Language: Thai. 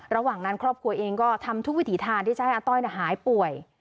ระหว่างนั้นครอบครัวเองก็ทำทุกวิถีทางที่จะให้อาต้อยหายป่วย